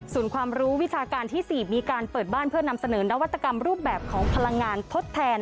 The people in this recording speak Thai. ส่วนความรู้วิชาการที่๔มีการเปิดบ้านเพื่อนำเสนอนวัตกรรมรูปแบบของพลังงานทดแทน